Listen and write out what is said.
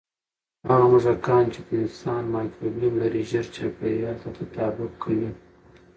هغه موږکان چې د انسان مایکروبیوم لري، ژر چاپېریال ته تطابق کوي.